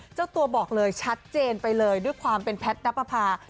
เจ้าตัวบอกเลยชัดเจนไปเลยด้วยความเป็นแพทย์นับประพา